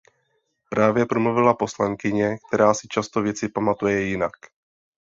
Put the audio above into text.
Právě promluvila poslankyně, která si často věci pamatuje jinak.